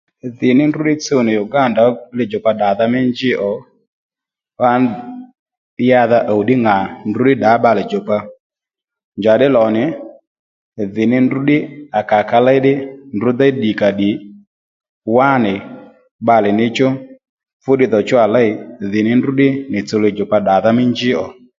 Dhi ní ndrǔ ddí tsuw nì Uganda ó lidjòkpa ddadha mí njí ò kwan yǎdha ùw ddí ŋà ndrú ddí ddǎ bbalè djòkpa njàddí lò nì dhí ní ndrǔ ddí à kà ka léy ddí ndrǔ déy ddìkàddì wá nì bbalè níchú fúddiy dhò chú à léy dhì ní ndrú ddí nì tsǔw lidjòkpa ddàdha mí njí ò